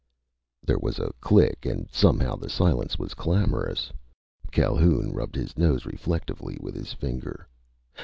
_"There was a click, and somehow the silence was clamorous. Calhoun rubbed his nose reflectively with his finger.